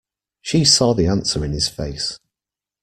She saw the answer in his face.